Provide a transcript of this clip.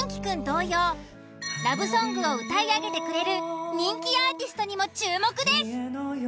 同様ラブソングを歌い上げてくれる人気アーティストにも注目です。